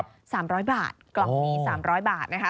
๓๐๐บาทกล่องนี้๓๐๐บาทนะคะ